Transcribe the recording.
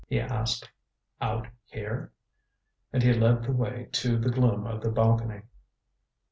he asked. "Out here." And he led the way to the gloom of the balcony.